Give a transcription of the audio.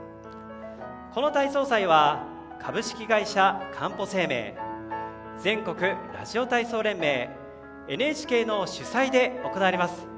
この体操祭は株式会社かんぽ生命全国ラジオ体操連盟ＮＨＫの主催で行われます。